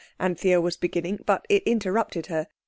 Anthea was beginning but it interrupted her.